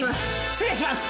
失礼します！